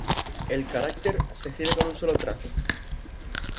El carácter へ se escribe con un solo trazo.